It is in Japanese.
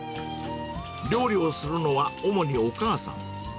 料理をするのは、主にお母さん。